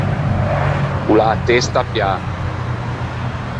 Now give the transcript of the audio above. O l’à a testa peâ.